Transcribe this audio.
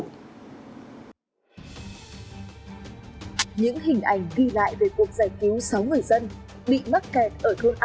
những hình ảnh ghi lại về cuộc giải cứu sáu người dân